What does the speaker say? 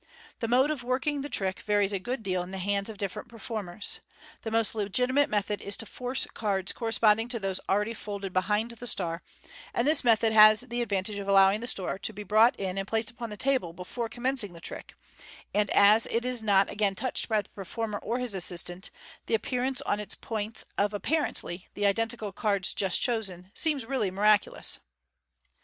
The mode of working the trick varies a good deal in the hands of different performers. The most legitimate method is to " force M cards corresponding to those already folded behind the star, and this method has the advantage of allowing the star to be brought in and placed upon the table before commencing the trick j and as it is not again touched by the performer or his assistant, the appearance on its points of (apparently) the identical cards just chosen seems really miraculous.